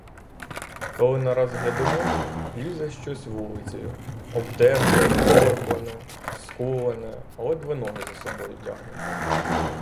Коли нараз глядимо: лізе щось вулицею, обдерте, згорблене, скулене, ледве ноги за собою тягне.